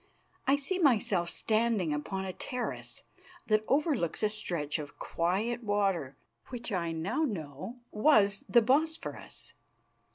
I see myself standing upon a terrace that overlooks a stretch of quiet water, which I now know was the Bosphorus.